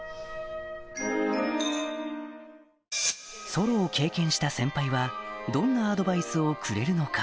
ソロを経験した先輩はどんなアドバイスをくれるのか